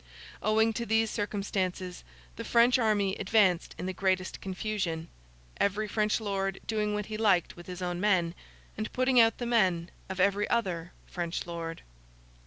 Owing to these circumstances, the French army advanced in the greatest confusion; every French lord doing what he liked with his own men, and putting out the men of every other French lord.